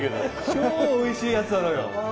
超おいしいやつなのよ。